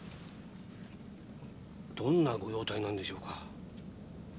どんなご容体なんでしょうか？